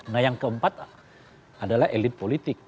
nah yang keempat adalah elit politik